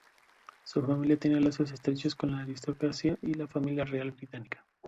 Su familia tiene lazos estrechos con la aristocracia y la Familia Real Británica.